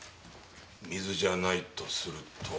水じゃないとすると。